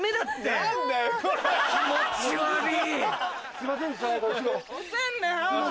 すいません！